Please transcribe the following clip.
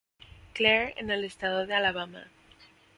Clair en el estado de Alabama.